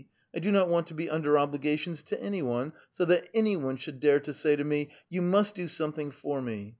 I do not want to be under obligations to any one, so that any one should dare to say to me, ' You must do something for me.'